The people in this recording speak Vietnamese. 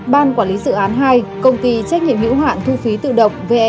ban quản lý dự án hai công ty trách nhiệm hữu hạn thu phí tự động ve